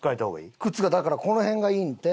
靴がだからこの辺がいいんて。